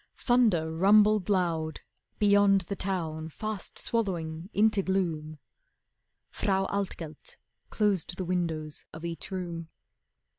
Thunder rumbled loud Beyond the town fast swallowing into gloom. Frau Altgelt closed the windows of each room.